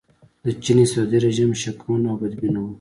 د چین استبدادي رژیم شکمن او بدبینه و.